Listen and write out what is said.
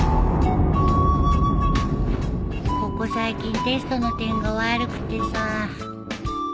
ここ最近テストの点が悪くてさ。